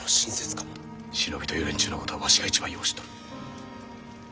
忍びという連中のことはわしが一番よう知っとる。